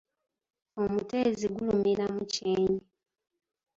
Omuteezi gulumira mu kyennyi.